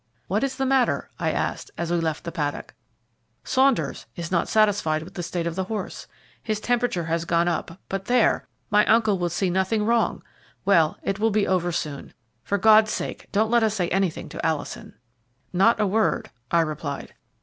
"What is the matter?" I asked, as we left the paddock. "Saunders is not satisfied with the state of the horse. His temperature has gone up; but, there! my uncle will see nothing wrong. Well, it will be all over soon. For God's sake, don't let us say anything to Alison." "Not a word," I replied.